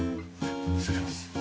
失礼します。